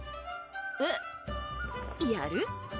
えっやる？